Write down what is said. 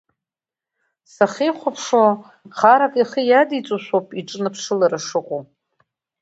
Сахьихәаԥшуа, харак ихы иадиҵошәа ауп иҿныԥшылара шыҟоу.